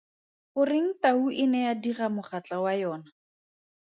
Goreng tau e ne ya diga mogatla wa yona?